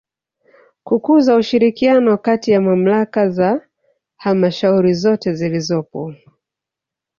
Kukuza ushirikiano kati ya Mamlaka za Halmashauri zote zilizopo